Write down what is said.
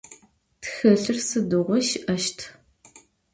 Txılhır sıdiğui şı'eşt.